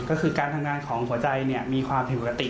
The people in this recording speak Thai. ก็คือการทำงานของหัวใจมีความผิดปกติ